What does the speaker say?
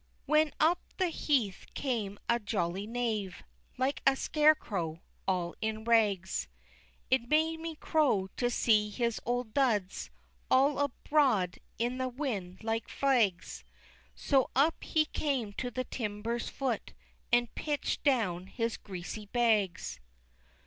II. When up the heath came a jolly knave, Like a scarecrow, all in rags: It made me crow to see his old duds All abroad in the wind, like flags; So up he came to the timber's foot And pitch'd down his greasy bags.